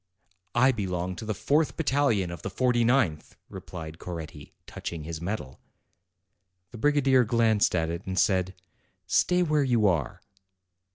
"I belong to the fourth battalion of the forty ninth," replied Coretti, touching his medal. The brigadier glanced at it, and said, "Stay where you are."